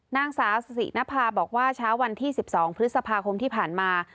นางสาวสิรินภาบอกว่าเช้าวันที่๑๒พฤษภาคมที่ผ่านมา